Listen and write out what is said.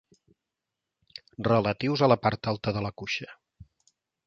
Relatius a la part alta de la cuixa.